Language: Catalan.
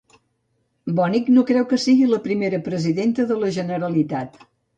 Bonig no creu que sigui la primera presidenta de la Generalitat.